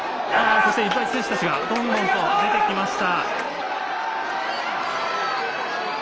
そして、いっぱい、選手たちがどんどんと出てきました。